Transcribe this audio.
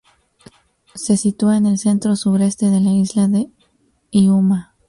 Se sitúa en el centro-sureste de la isla de Hiiumaa.